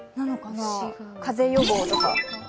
風予防とか。